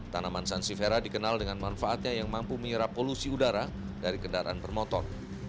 tanaman sansifera dikenal dengan manfaatnya yang mampu menyerap polusi udara dari kendaraan bermotor